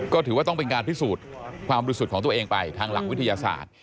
ก็ถือว่าต้องเป็นการพิสูจน์ความบริสุทธิ์ของตัวเองไปทางหลักวิทยาศาสตร์